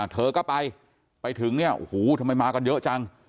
เธอก็ไปไปถึงเนี่ยโอ้โหทำไมมากันเยอะจัง